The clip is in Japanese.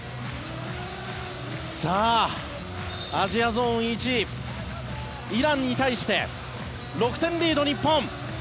さあ、アジアゾーン１位イランに対して６点リード、日本。